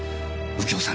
「右京さん！」